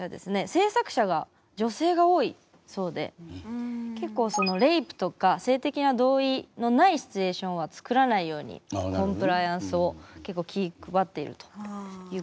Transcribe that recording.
制作者が女性が多いそうで結構そのレイプとか性的な同意のないシチュエーションは作らないようにコンプライアンスを結構気ぃ配っているということで。